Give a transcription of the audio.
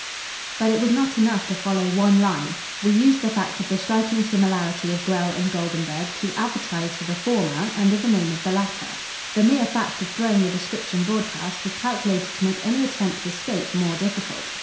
"But it was not enough to follow one line. We used the fact of the striking similarity of Grell and Goldenburg to advertise for the former under the name of the latter. The mere fact of throwing the description broadcast, was calculated to make any attempt to escape more difficult.